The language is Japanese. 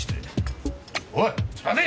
おい！